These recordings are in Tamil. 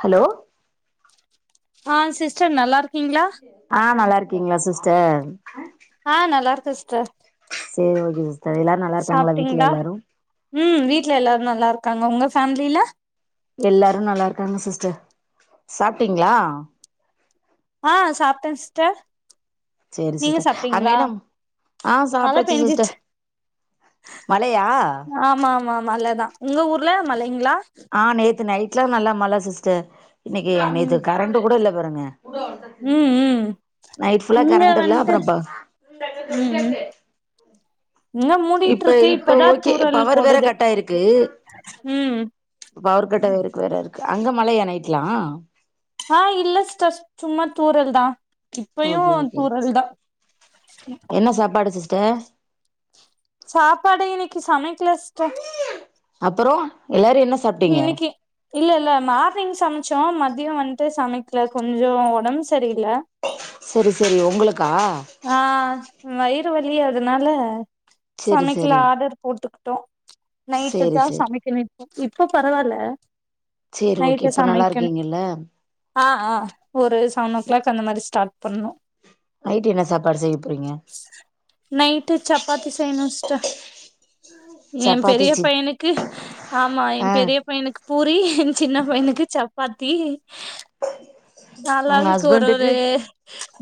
ஹலோ ஆஹ் சிஸ்டர் நல்லா இருக் ஆஹ் நல்லா இருக்கீங்களா சிஸ்டர் ஆஹ் நல்லா இருக்க சிஸ்டர் சேரி ஓகே சிஸ்டர் எல்லாரு நல்லா இருக்காங்களா வீட்ல சாப்ட்டீங்களா எல்லாரு ம் வீட்ல எல்லாரு நல்லா இருக்காங்க உங்க ஃபேம்லீல எல்லாரு நல்லா இருக்காங்க சிஸ்டர் சாப்டீங்களா ஆஹ் சாப்டே சிஸ்டர் சேரி நீங்க சிஸ்டர் அங்க சாப்டீங்ளா என்ன ஆ மழ சாப்ட்டாச்சு சிஸ்டர் பெஞ்சுச்சு மழையா ஆமா ஆமா மழ தா உங்க ஊர்ல மழைங்ளா ஆஹ் நேத்து நைட்லா நல்லா மழ சிஸ்டர் இன்னைக்கு ம் நேத்து கரண்ட் கூட இல்ல பாருங்க ம் ம் நைட் புஃல்லா இங்க கரண்ட் இல்ல வந்ட்டு அப்றோப்பா [unintelligible] ம் ம் தொல்சாச்சே இங்க மூடிட்டு இப்ப இருக்கு இப்ப இப்பதா ஓகே தூறல் பவர் வேற போடுது கட்டாயிருக்கு ம் பவர் கட்டாயிருக்கு வேற இருக்கு அங்க மழையா நைட்லா ஆஹ் இல்ல சிஸ்டர் சும்மா தூறல் தா இப்பயு ஓகே ஓகே தூறல் தா என்ன சாப்பாடு சிஸ்டர் சாப்பாடு இன்னைக்கி சமைக்கல சிஸ்டர் அப்றோ எல்லாரு என்ன சாப்டீங்க இன்னைக்கு இல்ல இல்ல மார்னிங் சமைச்சோ மதியோ வந்து சமைக்கல கொஞ்சோ உடம்பு செ செரி செரி உங்களுக்கா ஆஹ் வயிறு வலி அதுனால சரி சமைக்கல சரி ஆர்டர் போட்டுக்கிட்டோ நைட்டு சரி தா சரி சமைக்கணு இப் இப்ப பரவால்ல சேரி ஓகே இப்ப நல்லா இருக்கீங்கல்ல ஆஹ் ஆஹ் ஒரு சவனோ கிளாக் அந்த மாதிரி ஸ்டாட் பண்ணனு ட்டு என்ன சாப்பாடு செய்ய போறீங்க நைட்டு சப்பாத்தி செய்யணு சிஸ்டர் எ சப்பாத்தி பெரிய சி பையனுக்கு ஆமா எ ஆ பெரிய பையனுக்கு பூரி என் சின்ன பையனுக்கு சப்பாத்தி உங்க ஆளாளுக்கு ஒரு ஒரு ஹஸ்பண்டுக்கு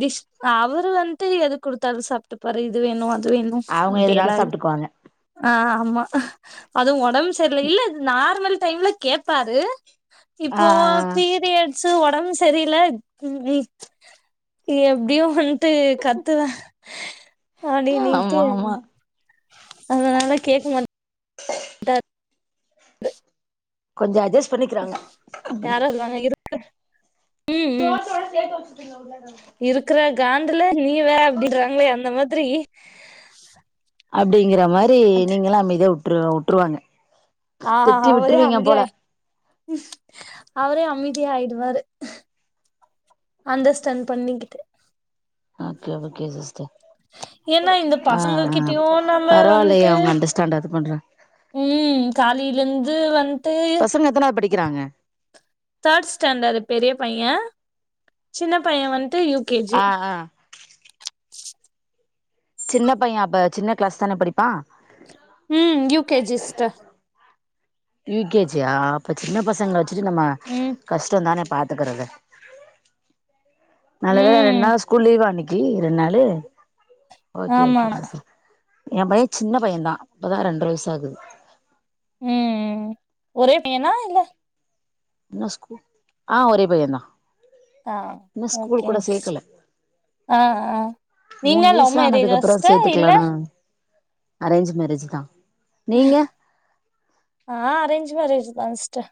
டிஷ் அவரு வந்து எது குடுத்தாலு சாப்ட்டுப்பாரு இது வேணு அது வேணும் அவங்க அப்டில்லா எதுனாலும் இல்ல சாப்ட்டுக்குவாங்க ஆஹ் ஆமா அதுவு உடம்பு செரில்லல நார்மல் டைம்ல கேப்பாரு ஆ இப்போ பீரியட்ஸ்சு உடம்பு செ தெரியல எப்டியு வந்ட்டு கத்துதா அப்டினீட்டு ஆமா ஆமா அதனால கேட்க மாட் டார் கொஞ்சோ அஜ்சஸ் யாரோறிக்காங்க இருக்க ம் ம் இருக்கற காண்டுல நீவே அப்டின்றாங்களேயா அந்த மாதிரி அப்டிங்கற மாரி நீங்கல்லா அமைதியா உட்ரு உட்டுருவாங்க ஆஹ் ஹ ஹ அவரே அமைதியா அவரே அமி தி ஆயிடுவாரு அண்டர் ஸ்டாண்ட் பண்ணிக்கிட்டு கே ஓகே சிஸ்டர் ஏன்னா இந்த பசங்க ஆஹ் ஆஹ் கிட்டயு நம்ம வந்ட்டு பரவால்லைய அவங்க அண்டர்ஸ்டாண்டாது பண்றாங்க ம் காலையில இருந்து வண்ட்டு பசங்க எத்தனாவது படிக்கிறாங்க தேர்டு ஸ்டாண்டர்டு பெரிய பைய சின்ன பைய வந்து யூ கே ஜி ஆ ஆ சின்ன பைய அப்ப சின்ன கிளாஸ் தான படிப்பா ம் U K G sister U K ஜா அப்ப சின்ன பசங்கல வச்சுட்டு நம்ம ம் கஷ்டோ தா பாத்துக்கறது நல்ல வேல ரெண்டு ம் நாள் ஸ்கூல் லீவ்வா இன்னி கி ரெண்ட்னாளு ஓகே ஆமா ஓகே சிஸ்டர் ஏ பைய சின்ன பைய தா இப்பதா ரெண்டர வயசாகுது ம் ம் ஒரே பைனா இல்ல இன்னும் ஸ்கூ ஆ ஒரே பைய தா ஆ இன்னு ஸ்கூல் கூட ஓகேங் சிஸ் சேக்கல ஆ ஆ நீங்க மூணு லவ் வயசு மேரேஜா ஆனதுக்கு அப்புறோ சிஸ்டர் இல்ல சேத்துக்கலனா அரேஞ்ச் மேரேஜி தா நா அரேஞ்சு மேரேஜ் தா சிஸ்டர்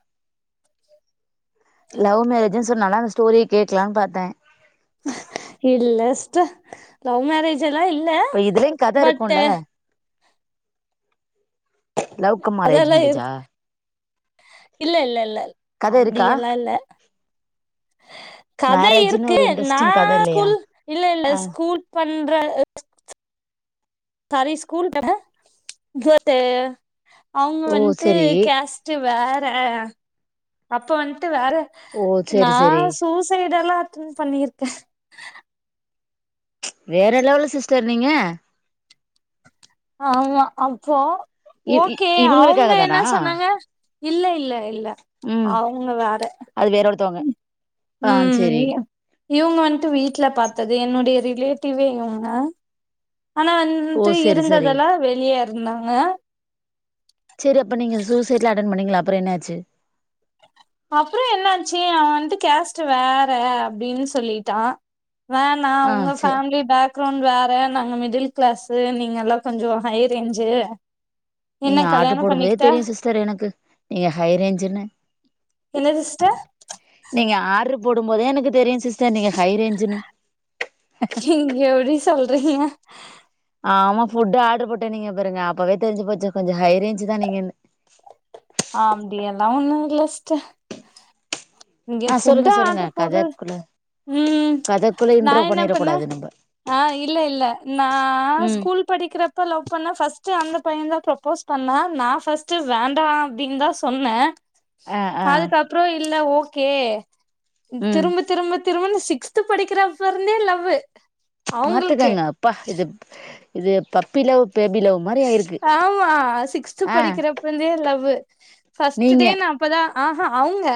லவ் மேரேஜ்ன் சொன்னலா அந்த ஸ்டோரிய கேக்லான் பாத்த இல்ல சிஸ்டர் லவ் மேரேஜ் ஜலா இல்ல இப்ப இதுலயும் கத பட்டு இருக்கும்ல லவ் கம் அரேஞ்சு மேரேஜா இல்லெல்லல்ல கத இருக்கா அப்டியெல்லா இல்ல கதை மேரேஜ்ன்னு இருக்கு ஒரு நா இன்ட்ரெஸ்டிங் கத இல்லையா ஸ்கூல் இல்லெல்ல ஆ ஸ்கூல் பண்ற [inaudible] கால்லே ஸ்கூல் [inaudible] கேத்தே அவுங்க ஓ வன்ட்டு சரி கேஸ்ட்டு வேற அப்ப வந் ட்டு வேற ஓ செரி நா செரி சூசைடெல்லா அட்டன் பண்ணிருக்கே வேற லெவலு சிஸ்டர் நீங்க ஆமா அப்போ இ இ ஓகே அவுங்க இவுங்களுக்காக தானா என்ன சொன்னாங்க இல்ல இல்ல இல்ல ம் அவுங்க வேற அது வேற ஒருத்தவங்க ம் ஆ ம் ம் செரி யா இவுங்க வந்ட்டு வீட்ல பாத்தது என்னுடைய ரி ரிலேட்டிவே இவுங்க ஆனா ஓ வந்ட்டு செரி செரி இருந்ததெல்லா வெளிய இருந்தாங்க செரி அப்ப நீங்க சூசைட்லா அட்டன் பண்ணீங்கல அப்புறோ என்னாச்சு அப்புறோ என்னாச்சு அவ வந்ட்டு கேஸ்ட் வேற அப்டின்னு சொல்லிட்டா வேணா ஆ உங்க செ ஃபேமிலி பேக் க்ரவுண்ட் வேற நாங்க மிடில் கிளாஸ்ஸு நீங்கெல்லா கொஞ்சோ ஹை ரேஞ்சு என்ன நீங்க ஆர்டரு கல்யாணோ போடும்போதே பண்ணிக்கிட்டா தெரியு சிஸ்டர் எனக்கு நீங்க ஹை ரேஞ்சுன்னு என்னது சிஸ்டர் நீங்க ஆர்டர் போடும்போதே எனக்கு தெரியு சிஸ் டர் நீங்க ஹை ரேஞ்சுன்னு நீங்க எப்டி சொல்றீங்க ஆமா ஃபுட்டு் ஆர்டரு போட்டேனீங்க பாருங்க அப்பவே தெரிஞ்சு போச்சு கொஞ்சோ ஹை ரேஞ்ச்சுதா நீங்கனு ஆப்பிடியெல்லா ஒன்னு இல்ல சிஸ்டர் இங்க ஆ ஃபுட்டு சொல்லுங்க சொல்லுங்க ஆர்டர் போடுறது கதக்குள்ள ம் கதக்குள்ள நா இன்ட்ரோ என்ன பண்ணிரக் பண்ண கூடாது நம்ப ஆ இல்ல இல்ல நா ம் ஸ்கூல் படிக்கிறப்ப லவ் பண்ண ஃபஸ்ட்டு அந்த பையன்தா ப்ரோப் ப்போஸ் பண்ணா நா ஃபஸ்ட்டு வேண்டா அப்டின்தா சொன்ன ஆ ஆ அதுக்கப்றோ இல்ல ஓகே ம் திரும்ப திரும்ப திரும்பனு சிக்ஸ்து படிக்கிறப்பருந்தே லவ்வு அவங்களுக்கு பாத்துக்கங்க அப்பா இது இது பப்பிலவ் ஆமா சிக்ஸ்து ஆ படிக்கிறப்பந்தே லவ்வு நீங்க ஃபஸ்ட்டுடே நா அப்பதா ஆஹா அவுங்க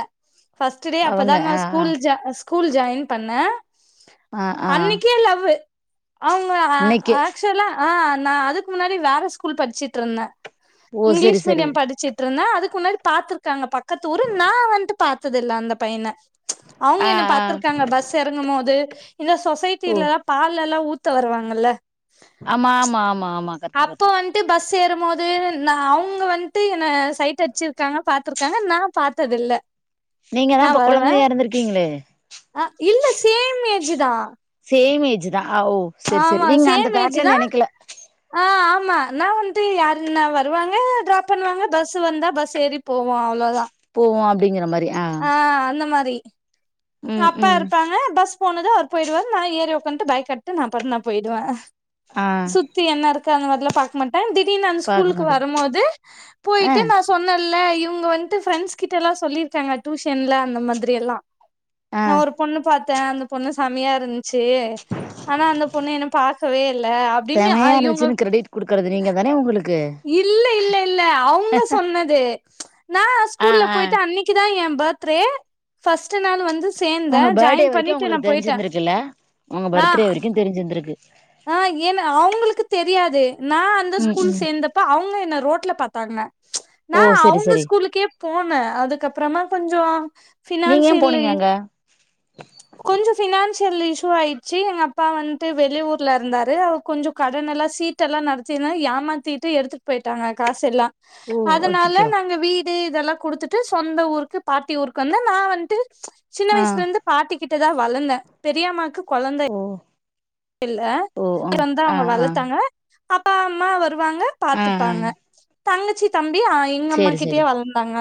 ஃபஸ்ட்டுடே அவங்க அப்பதா நா ஆ ஆ ஸ்கூல் ஜாயி ஸ்கூ ஸ்கூல் ஜாயின் பண்ண ஆ ஆ அன்னிக்கே லவ்வு அவுங்க அ இன்னைக்கே ஆக்சுவலா ஆ நா அதுக்கு முன்னாடி வேற ஸ்கூல் படிச்சுட்டுருந்த ஓ சரி இங்கிலீஷ் சரி மீடியம் படிச்சுட்டுருந்த அதுக்கு முன்னாடி பாத்துருக்காங்க பக்கத்து ஊரு நா வந்ட்டு பாத்ததில்ல அந்த பையன அவுங்க ஆ என்ன ஆ பாத்துருக்காங்க பஸ் எறங்கும் போது இல்ல ஓ சொசைட்டீலலா பால்லலா ஊத்த வருவாங்கல்ல ஆமாமாமா அப்ப வந்து பஸ் சேரு மொத இரு நா அவுங்க வன்ட்டு என்ன சைட் அட்ச்சிருக்காங்க பாத்துருக்காங்க நா பாத்ததில்ல நீங்க தா நா இப்ப வருவ கொழந்தையா இருந்திருக்கீங்களே அ இல்ல சேம் ஏஜுதா சேம் ஏஜுதா அ ஓ செர் செரி நீங்க அந்த தாட்ல நெனைக்குல மா நா வந்து யாருனா வருவாங்க ட்ராப் பண்ணுவாங்க பஸ்ஸு வந்தா பஸ் ஏறி போவோ அவ்ளோதா போவோ அப்டிங்கிற மார் ஆ அந்த மாரி ம் அப்பா ம் இருப்பாங்க பஸ் போனது அவர் போய்ருவாரு நா ஏறி ஒக்காந்ட்டு பாய் காட்டு நா பாட்னு நா போய்டுவ ஆ சுத்தி என்ன இருக்காங்க அதுலா பாக் மாட் ந்த திடீர்னு அந்த பாக்க ஸ்கூலுக்கு மாட்டீங்க வரமோது ஆ போய்ட்டு நா சொன்னல்ல இவ்ங்கவன்ட்டு ஃப்ரெண்ஸ்கிட்டலா சொல்லீர்க்காங்க டூஷென்ல அந்த மாதிரி எல்லா ஆ நா ஒரு பொண்ணு பாத் த அந்த பொண்ணு சமியா இருந் ச்சு ஆனா அந்த பொண்ணு என்ன பாக்கவே இல்ல அப்டின்னு ஆ இவ்ங்க இருக்கறது நீங்க தானே உங்குளு இல்ல இல்ல இல்ல அவுங்க சொன்னது நா ஆ ஸ்கூல்ல ஆ போய்ட்டு அன்னைக்குதா என் பாத்ரே ஃபஸ்ட்டு நாளு வந்து சேந்த உங்க பர்த்டே ஜாய்ன் வரைக்கு பண்ணிட்டு நா உங்களுக்கு போய்ட்ட தெரிஞ்சிருந்திருக்குல்ல உங்க ஆ பர்த்டே வரைக்கு தெரிஞ்சிருந்திருக்கு ஆ ஏன்ன அவுங்குளுக்கு தெரியாது நா அந்த ம் ஸ்கூல் ம் சேந்தப்ப அவுங்க என்ன ரோட்ல பா தர்ன ஓ நா சரி அவுங்க சரி ஸ்கூலுக்கே போன அதுக்கப்றமா கொஞ்சோ நீங்க ஏ ஃபினான்சிலி போனீங்க அங்க கொஞ்சோ ஃபினான்சியல்லு இஷு ஆய்ர்ச்சு எங்க அப்பா வன்ட்டு வெளியூர்ல இருந்தாரு அவு கொஞ்சோ கடனா நல்லா சீட் எல்லா நடுத்திர்ந்தாங்க ஏமாத்தீட்டு எடுத்துட் போய்ட்டாங்க காசெல்லா ஓ அதுனால அச்சச்சோ நாங்க வீடு இதெல்லா குடுத்துட்டு சொந்த ஊருக்கு பாட்டி ஊருக்கு வந்து நா வன்ட்டு சின்ன ஆ வய்ஸ்ல இருந்து பாட்டிக்கிட்டதா வளந்த பெரியம்மாக்கு கொழந்த ஓ இல்ல ஓ ஆ பிறந்தா ஆ அவுங்க ஆ வளத்தாங்க பாப்பா அம்மாவ வருவாங்க ஆ ஆ பாத்துப்பாங்க தங்கச்சி தம்பி அ எங்கம்மா சரி கிட்டுயே சரி வளுந்தாங்க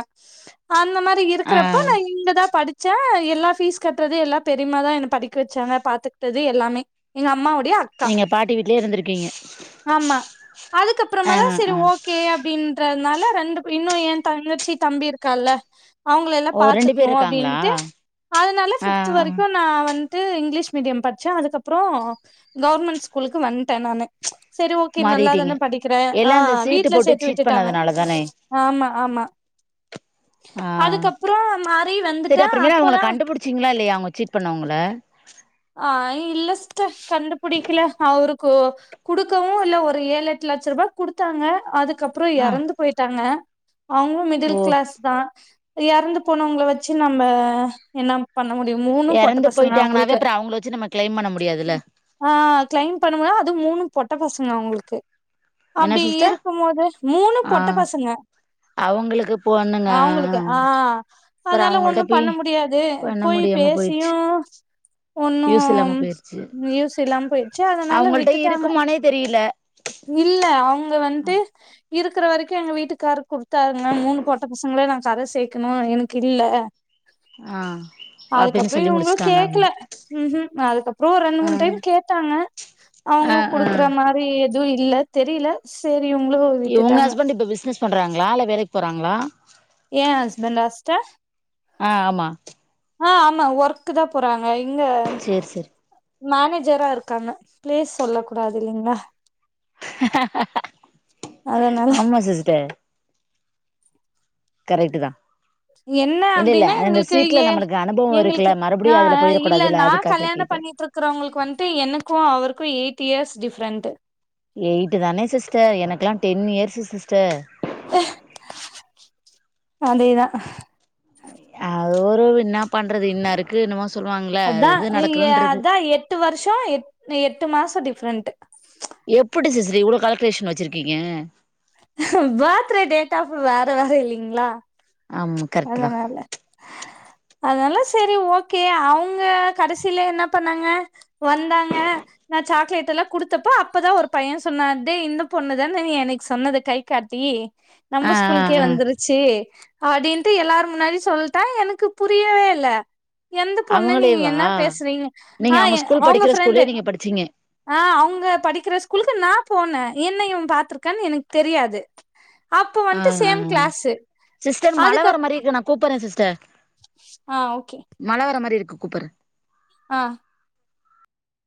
அந்த மாரி ஆ இருக்குறப்ப நா இங்கதா படி ச்சா எல்லா ஃபீஸ் கட்றது எல்லா பெரிம்மாதா என்ன படிக்க வச்சாங்க பாத்துக்ட்டது எல்லாமே எங்க அம்மா வோ நீங்க பாட்டி வீட்லே இருந்திருக்கீங்க ஆமா ஆ அதுக்கப்புறமாதா செரி ஆ ஓகே அப்டின்றதுனால் ல ரெண்டு ப்ளி இன்னூ ஏன் தங்கச்சி தம்பி இருக்கால அவுங்குளெல்லா ஓ ரெண்டு பேர் பாத்துக்ணு இருக்காங்களா அப்டீன்னிட்டு அதுனால ஆ ஃபிஃப்த் ஆ வரைக்கு நா வன் ட்டு இங்லீஷ் மீடியம் பட்ச்சேன் அதுக்கப்றோ கவ்ர்மெண் ஸ்கூலுக்கு வன்ட்ட நானு சரி ஓகே நல்லா மாறிட்டீங்க தான படிக்கிறேன் ஆ எல்லா அந்த சீட்டு வீட்ல போட்டு சேத்து சீட் விட்டுட்டாங்க பண்ணதுனால தானே ஆமா ஆமா ஆ அதுக்கப்புறோ மாறி செரி வந்துட்டே அப்புறமேல் அவுங்குள அப்போதா கண்டுபுடிச்சீங்ளா இல்லயா அவுங்க சீட் பண்ணவ்ங்குள் வ ஆ இல்லஸ்டர் கண்டுபுடிக்கில அவருக்கூ குடுக்கவு இல்ல ஒரு ஏலக்கி லட்ச ருபா குடுத்தாங்க அதுக்கப்புறோ ஆ எறந்து போய்ட்டாங்க அவுங்ளு மிடில் ஓ கிளாஸ் தா எறந்து போனவங்ள வச்சு நம்ம என்னம் பண்ண முடியு மூணு பொட்ட பசுங்க அவுங்குளுக்கு ச்சு நம்ம க்ளைம் பண்ண முடியாதுல கிளைம் பண்ணமுதா அது மூணு பொட்ட பசுங்க அவுங்குளுக்கு என்ன அப்டி சிஸ்டர் இருக்குமோது மூணு ஆ பொட்ட பசுங்க அவங்களுக்கு பொண்ணுங்க அவுங்குளுக்கு ஆ அப்புறோ அதுனால அவங்கள்ட்ட ஒண்ணு போய் பண்ண முடியாது பண்ண போய் முடியாம பேசியு போயிடுச்சு யூஸ் இல்லாம ஒண்ணும் போயிடுச்சு யூஸ் இல்லாம் போய்ச்சு அதுனால அவங்கள்ட்ட விட்டுட்டாங்க இருக்குமானே தெரியல இல்ல அவ்ங்க வன்ட்டு இருக்கிற வரைக்கும் எங்க வீட்டுக்கரு கொடுத்தாருங்க மூணு பொட்ட பசங்களே நான் கரை சேக்கணும் எனக்கு இல்ல ஆன் அதுக்கப்பறம் இவங்களும் கேக்கல ம் ம் அதுக்கப்பறம் ஒரு ரெண்டு ஆ மூணு டைம் கேட்டாங்க ஆ அவங்களும் ஆ குடுக்குற மாரி எதுவும் இல்ல தெரியல செரி இவங்க ஹஸ்பண்ட் இப்ப பிசினஸ் பண்றாங்களா இல்ல வேலைக்கு போறாங்களா ஏன் ஹஸ்பண்ட் சிஸ்டர் ஆ ஆமா ஆ‌ ஆமா ஒர்க் தான் போறாங்க இங்க சேரி சேரி மேனேஜரா இருக்காங்க பிளேஸ் சொல்ல கூடாது இல்லைங்களா அதனால ஆமா சிஸ்டர் கரெக்டு தான் என்ன இல்ல இல்ல அப்டின்னா இந்த எங்களுக்கு சீட்ல ஏ நம்மளுக்கு அனுபவ எங்களுக்கு இருக்குல்ல ஆ மறுபடியும் அதுல போயிறக் இல்ல கூடாதுல்ல நா அதுக்காக கே கல்யாணம் பண்ணிட்டு இருக்கறவங்களுக்கு வந்துட்டு எனக்கும் அவருக்கும் எயிட் இயர்ஸ் டிஃப்ரெண்ட் எயிட்டு தானே சிஸ்டர் எனக்குல்லாம் டென் இயர்ஸ் சிஸ்டர் அதேதான் அய் அ ஒரு என்ன பண்றது இன்ன இருக்கு என்னமோ சொல்லுவாங்கல்ல அது அதான் அது எ நடக்கணுன்ருக்கு அதான் எட்டு வருஷம் எட் எட்டு மாசம் டிஃப்ரெண்ட் எப்டி சிஸ்டர் இவ்ளோ கால்குலேஷன் வச்சிருக்கீங்க பேத்டே டேட் ஆஃப் வேற வேற இல்லைங்களா ஆமா கரெக்டு தான் அதனால அதனால செரி ஓகே அவுங்க கடைசில என்ன பண்ணாங்க வந்தாங்க நா சாக்லேட் எல்லாம் குடுத்தப்போ அப்போதான் ஒரு பையன் சொன்ன டே இந்த பொண்ணுதான்ன நீ எனக்கு சொன்னது கை காட்டி ஆ நம்ம ஆ ஸ்கூலுக்கே ஆ வந்துருச்சு அப்டின்னு ட்டு எல்லாரும் முன்னாடி சொல்லிட்டா எனக்கு புரியவே இல்ல எந்த பொண்ணு நீங்க அவங்களேவா என்ன பேசுறீங்க ஆ நீங்க அவங்க ஸ்கூல் அவுங்க படிக்கிற ஃப்ரெண்டு ஸ்கூல்லயே நீங்க படிச்சீங்க ஆ அவங்க படிக்கிற ஸ்கூலுக்கு நான் போன என்னையும் பாத்திருக்கானு எனக்கு தெரியாது அப்ப ஆ வந்துட்டு ஆ சேம் கிளாஸ்சு சிஸ்டர் மழ வர அதுக்கப் மாரி இருக்கு நா கூப்பிறேன் சிஸ்டர் ஆ ஓகே கூ கூப்புறேன் ஆ